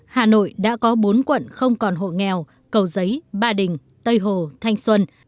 hà nội đã có bốn quận không còn hộ nghèo cầu giấy ba đình tây hồ thanh xuân